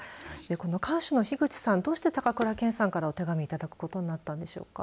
この館主の樋口さんどうして高倉健さんからお手紙いただくことになったんでしょうか。